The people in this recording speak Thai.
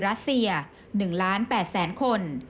รัสเซีย๑๐๘๐๐๐คน